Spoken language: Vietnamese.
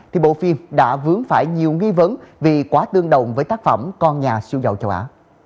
thì bộ phim đã vướng phải nhiều nghi vấn vì quá tương đồng với tác phẩm con nhà siêu dậu châu á